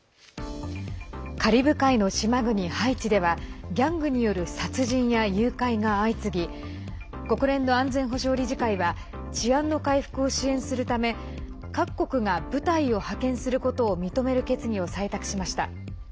カリブ海の島国ハイチではギャングによる殺人や誘拐が相次ぎ国連の安全保障理事会は治安の回復を支援するため各国が部隊を派遣することを認める決議を採択しました。